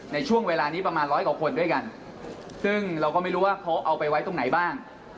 ในช่วงเวลานี้ประมาณร้อยกว่าคนด้วยกันซึ่งเราก็ไม่รู้ว่าเขาเอาไปไว้ตรงไหนบ้าง